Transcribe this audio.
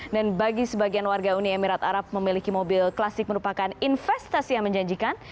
dan bagi sebagian warga uni emirat arab memiliki mobil klasik merupakan investasi yang menjanjikan